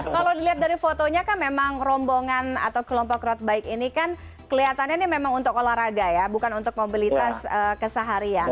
kalau dilihat dari fotonya kan memang rombongan atau kelompok road bike ini kan kelihatannya ini memang untuk olahraga ya bukan untuk mobilitas keseharian